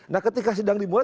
nah ketika sidang dimulai